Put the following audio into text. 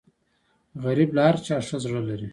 غریب له هر چا ښه زړه لري